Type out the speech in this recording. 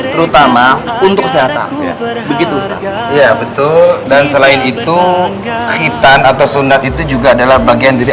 terutama untuk sehat begitu iya betul dan selain itu hitam atau sunat itu juga adalah bagian dari